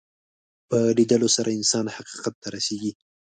په لیدلو سره انسان حقیقت ته رسېږي